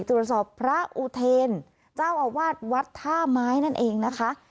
ตรวจสอบพระอุเทรนเจ้าอวาดวัดท่าไม้นั่นเองนะคะ